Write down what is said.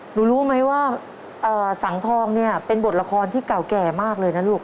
รู้ไหมว่าสังทองเนี่ยเป็นบทละครที่เก่าแก่มากเลยนะลูก